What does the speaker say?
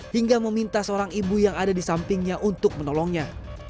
hingga meminta seorang ibu yang ada di sampingnya untuk menolongnya